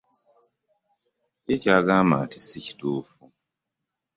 Ye ky'agamba nti si kituufu.